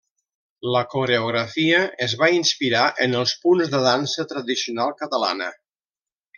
La coreografia es va inspirar en els punts de dansa tradicional catalana.